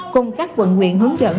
cùng các quận nguyện hướng dẫn